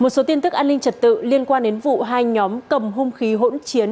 một số tin tức an ninh trật tự liên quan đến vụ hai nhóm cầm hung khí hỗn chiến